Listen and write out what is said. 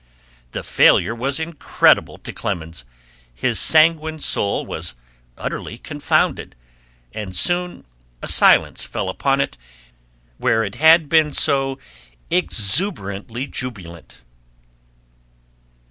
The failure was incredible to Clemens; his sanguine soul was utterly confounded, and soon a silence fell upon it where it had been so exuberantly jubilant.